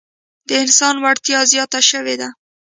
د انسان وړتیا زیاته شوې ده.